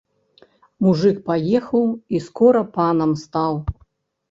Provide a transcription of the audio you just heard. Мужык паехаў і скора панам стаў.